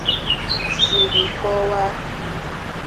siri kọwaa